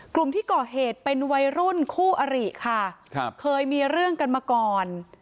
กลุ่มที่ก่อเหตุเป็นวัยรุ่นคู่อริค่ะครับเคยมีเรื่องกันมาก่อน